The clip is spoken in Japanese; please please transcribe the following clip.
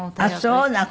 あっそうなの。